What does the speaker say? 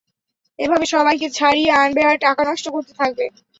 এভাবে সবাইকে ছাড়িয়ে আনবে আর টাকা নষ্ট করতে থাকবে।